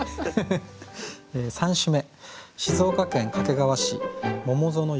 ３首目。